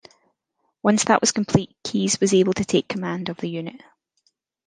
Once that was complete Keyes was able to take command of the unit.